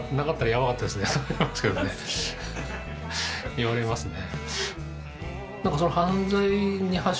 言われますね。